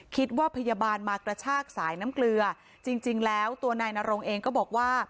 คิดว่าพยาบาลมากระชากสายน้ำเกลือจริงแล้วตัวนายนรงเองก็บอกว่า